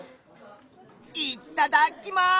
いっただっきます！